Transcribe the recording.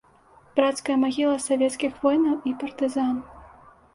Брацкая магіла савецкіх воінаў і партызан.